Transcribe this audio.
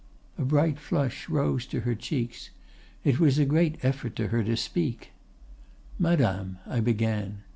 A bright flush rose to her cheeks. It was a great effort to her to speak. "'"Madame," I began.